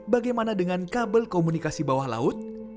bagaimana dengan kabel komunikasi bawah laut